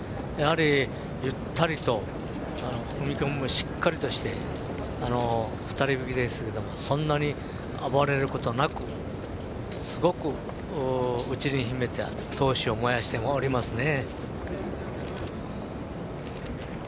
ゆったりと踏み込みもしっかりとして２人引きですがそんなに暴れることなくすごく内に秘めた闘志を燃やしておりますね。